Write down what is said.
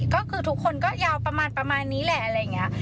ก็คือทุกคนก็ยาวประมาณประมาณนี้แหละอะไรอย่างนี้